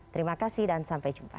terima kasih dan sampai jumpa